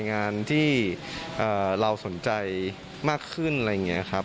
งานที่เราสนใจมากขึ้นอะไรอย่างนี้ครับ